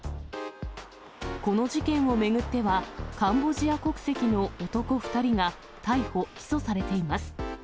この事件を巡っては、カンボジア国籍の男２人が逮捕・起訴されています。